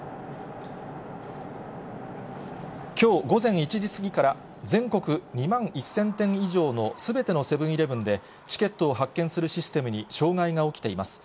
きょう午前１時過ぎから、全国２万１０００店以上のすべてのセブンーイレブンで、チケットを発券するシステムに障害が起きています。